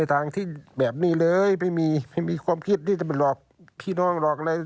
ทางที่แบบนี้เลยไม่มีไม่มีความคิดที่จะไปหลอกพี่น้องหรอกอะไร